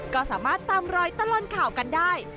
ก็สามารถตามรอยตลอดข่าวกันได้